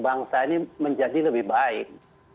bangsa ini menjadi lebih baik